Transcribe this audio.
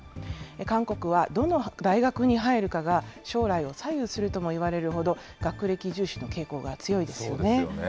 韓国はどの大学に入るかが将来を左右するともいわれるほど、学歴重視の傾向が強いですよね。